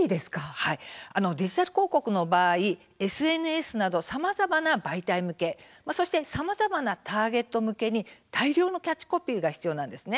デジタル広告の場合ＳＮＳなどさまざまな媒体向けさまざまなターゲット向けに大量のキャッチコピーが必要です。